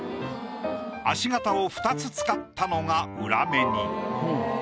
足形を２つ使ったのが裏目に。